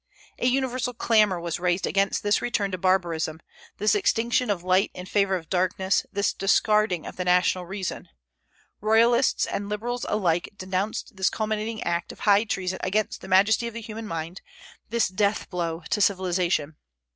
A universal clamor was raised against this return to barbarism, this extinction of light in favor of darkness, this discarding of the national reason. Royalists and liberals alike denounced this culminating act of high treason against the majesty of the human mind, this death blow to civilization.